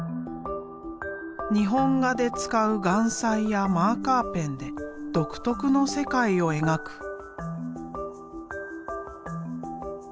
日本画で使う顔彩やマーカーペンで独特の世界を描く。